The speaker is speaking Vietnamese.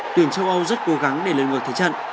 tuyển châu âu rất cố gắng để lên ngược thế trận